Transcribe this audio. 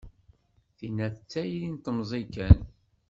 Tinna d tayri n temẓi kan.